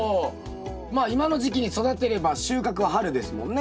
まあ今の時期に育てれば収穫は春ですもんね。